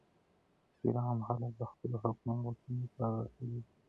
چېري عام خلګ د خپلو حقونو د غوښتلو لپاره راټولیږي؟